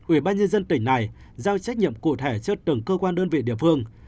ủy ban nhân dân tỉnh này giao trách nhiệm cụ thể cho từng cơ quan đơn vị địa phương